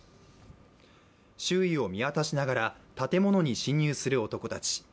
周囲を見渡しながら建物に侵入する男たち。